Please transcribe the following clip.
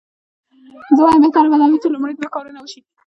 زه وایم بهتره به دا وي چې لومړني دوه کارونه وشي.